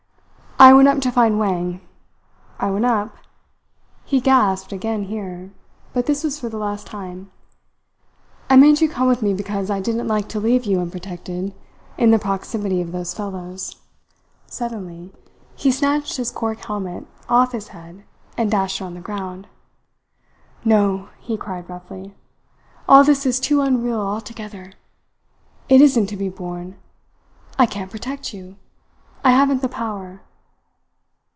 I went up to find Wang. I went up" he gasped again here, but this was for the last time "I made you come with me because I didn't like to leave you unprotected in the proximity of those fellows." Suddenly he snatched his cork helmet off his head and dashed it on the ground. "No!" he cried roughly. "All this is too unreal altogether. It isn't to be borne! I can't protect you! I haven't the power."